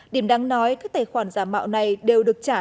điểm đáng nói các tài khoản giả mạo này đều được trả